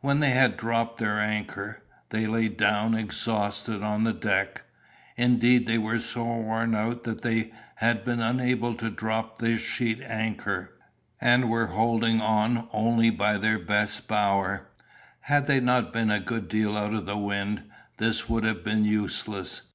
When they had dropped their anchor, they lay down exhausted on the deck. Indeed they were so worn out that they had been unable to drop their sheet anchor, and were holding on only by their best bower. Had they not been a good deal out of the wind, this would have been useless.